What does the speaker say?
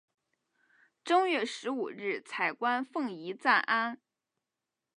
正月十五日彩棺奉移暂安。